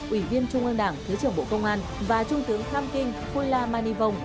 ủy viên trung ương đảng thứ trưởng bộ công an và trung tướng kham kinh phu la man nhi vong